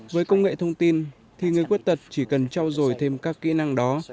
với công nghệ thông tin thì người khuyết tật chỉ cần trao dồi thêm các kỹ năng đó